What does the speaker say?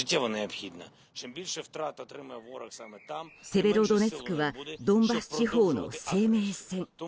セベロドネツクはドンバス地方の生命線。